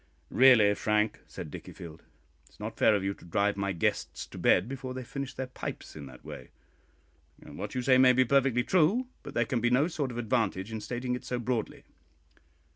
"Really, Frank," said Dickiefield, "it is not fair of you to drive my guests to bed before they have finished their pipes in that way. What you say may be perfectly true, but there can be no sort of advantage in stating it so broadly."